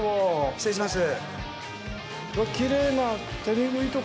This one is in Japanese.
失礼します。